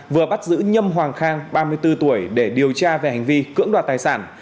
vừa bắt giữ nhâm hoàng khang ba mươi bốn tuổi để điều tra về hành vi cưỡng đoạt tài sản